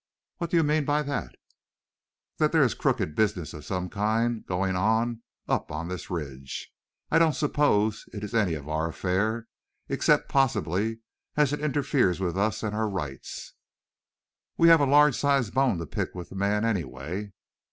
"What do you mean by that?" "That there is crooked business of some kind going on up on this ridge. I don't suppose it is any of our affair, except possibly as it interferes with us and our rights." "We've a large sized bone to pick with the man anyway."